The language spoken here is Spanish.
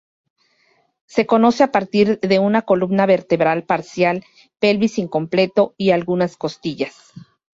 Se conoce a partir de una columna vertebral parcial, pelvis incompleto, y algunas costillas.